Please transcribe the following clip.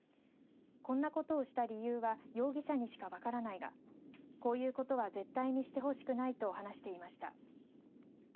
こんなことをした理由は容疑者にしか分からないがこんなことは絶対にしてほしくないと話していました。